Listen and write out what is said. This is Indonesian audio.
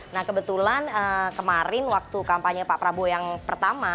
nah kebetulan kemarin waktu kampanye pak prabowo yang pertama